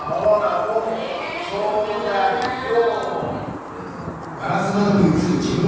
僕もちょうだいよ。